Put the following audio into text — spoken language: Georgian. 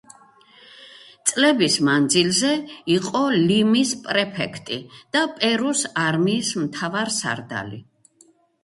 წლების მანძილზე იყო ლიმის პრეფექტი და პერუს არმიის მთავარსარდალი.